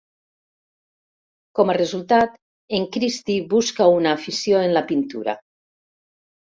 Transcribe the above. Com a resultat, en Christy busca una afició en la pintura.